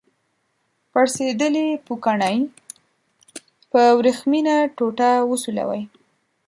پړسیدلې پوکڼۍ په وریښمینه ټوټه وسولوئ.